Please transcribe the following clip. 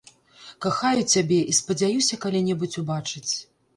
Кахаю цябе і спадзяюся калі-небудзь убачыць.